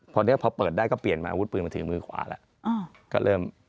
พอเนี่ยพอเปิดได้ก็เปลี่ยนมาอาวุธปืนมาถือมือขวาแล้ว